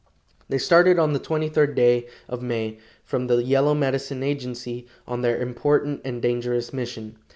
They started on the twenty third day of May, from the Yellow Medicine agency, on their important and dangerous mission.